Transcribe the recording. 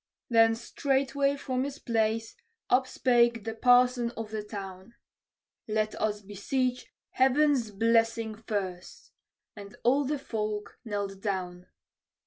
Then straightway from his place upspake the parson of the town: "Let us beseech Heaven's blessing first!" and all the folk knelt down.